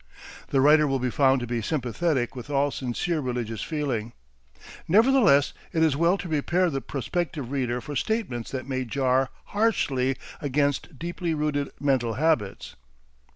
The writer will be found to be sympathetic with all sincere religious feeling. Nevertheless it is well to prepare the prospective reader for statements that may jar harshly against deeply rooted mental habits.